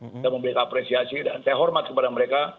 saya memberikan apresiasi dan saya hormat kepada mereka